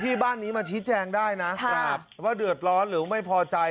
บ้านนี้มาชี้แจงได้นะว่าเดือดร้อนหรือไม่พอใจ